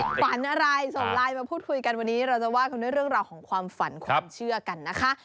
ฝันอะไรส่งไลน์มาพูดคุยกันวันนี้เราจะว่ากันด้วยเรื่องราวของความฝันความเชื่อกันนะคะ